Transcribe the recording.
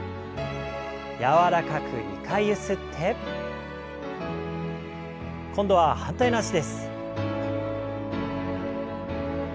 柔らかく２回ゆすって。今度は反対の脚です。